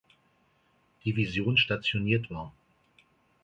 Division stationiert war.